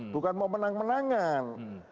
bukan mau menang menangan